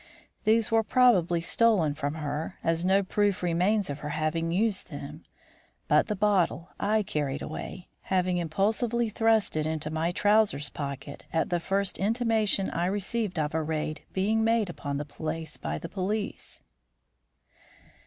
These were probably stolen from her, as no proof remains of her having used them; but the bottle I carried away, having impulsively thrust it into my trousers' pocket at the first intimation I received of a raid being made upon the place by the police."